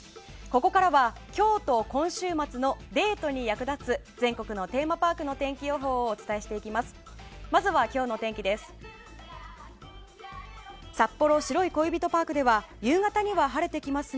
ここからは今日と今週末のデートに役立つ全国のテーマパークの天気予報をお伝えしていきます。